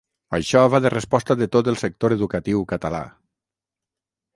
Això va de resposta de tot el sector educatiu català.